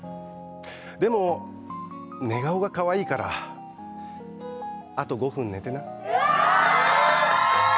でも、寝顔がかわいいからあと５分寝てな。